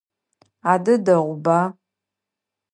Адэ дэгъуба.